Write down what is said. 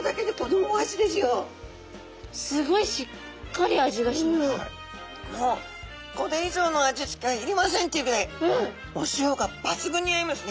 もうこれ以上の味付けはいりませんっていうぐらいお塩がばつぐんに合いますね。